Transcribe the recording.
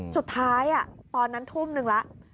สุดท้ายตอนนั้นทุ่มนึงแล้ว